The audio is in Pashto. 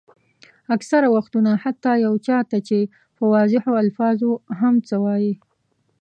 اکثره وختونه حتیٰ یو چا ته چې په واضحو الفاظو هم څه وایئ.